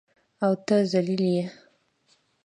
او ته ذلیل یې.